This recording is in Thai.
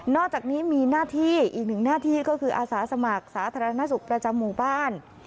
อกจากนี้มีหน้าที่อีกหนึ่งหน้าที่ก็คืออาสาสมัครสาธารณสุขประจำหมู่บ้าน